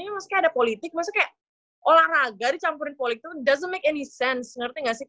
maksudnya kayak ada politik maksudnya kayak olahraga dicampurin politik tuh nggak ada artinya ngerti nggak sih kak